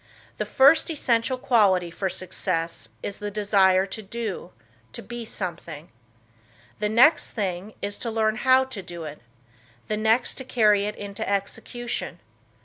The first essential quality for success is the desire to do to be something. The next thing is to learn how to do it; the next to carry it into execution.